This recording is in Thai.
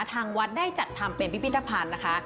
ทางวัดได้จัดทำเป็นพิพิธภัณฑ์นะคะ